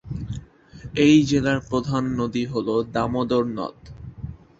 এই জেলার প্রধান নদী হল দামোদর নদ।